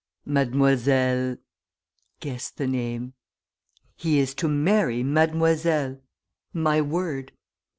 .. mademoiselle, guess the name ... he is to marry Mademoiselle, my word!